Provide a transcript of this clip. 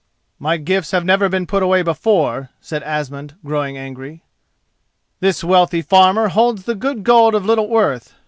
"My gifts have never been put away before," said Asmund, growing angry. "This wealthy farmer holds the good gold of little worth.